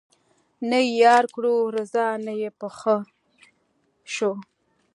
نه یې یار کړلو رضا نه یې په ښه شو